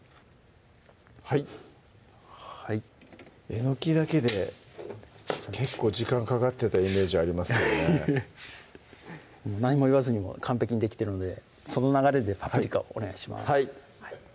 はいはいえのきだけで結構時間かかってたイメージありますけどね何も言わずにもう完璧にできてるのでその流れでパプリカをお願いします